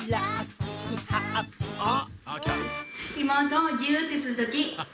妹をギューッてするとき。